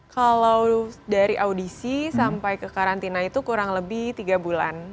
kalau dari audisi sampai ke karantina itu kurang lebih tiga bulan